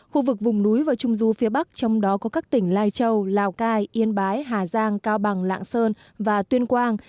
khu vực vùng núi và trung du phía bắc trong đó có các tỉnh lai châu lào cai yên bái hà giang cao bằng lạng sơn và tuyên quang